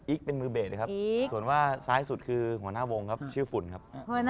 อีกเป็นมือเบสสายสุดคือหัวหน้าวงชื่อฝุ่นครับ